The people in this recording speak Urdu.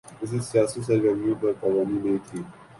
کسی سیاسی سرگرمی پر پابندی نہیں تھی۔